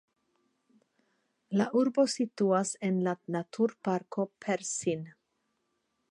La urbo situas en la Naturparko Persin.